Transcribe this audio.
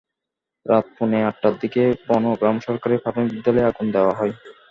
রাত পৌনে আটটার দিকে বনগ্রাম সরকারি প্রাথমিক বিদ্যালয়ে আগুন দেওয়া হয়।